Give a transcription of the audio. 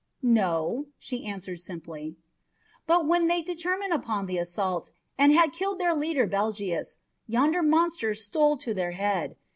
"No," she answered simply; "but when they determined upon the assault, and had killed their leader, Belgius, yonder monster stole to their head.